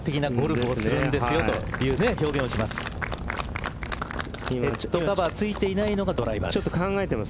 ヘッドカバー付いていないのがドライバーです。